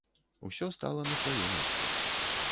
Усё стала на свае месцы.